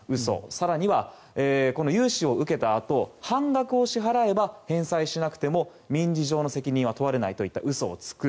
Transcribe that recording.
更には、融資を受けたあと半額を支払えば返済しなくても、民事上の責任は問われないといった嘘をつく。